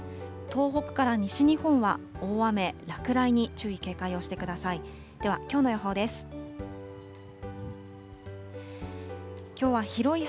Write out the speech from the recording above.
東北から西日本は大雨、落雷に注意、警戒をしてください。